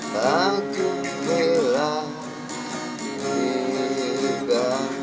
tapi kayak gitu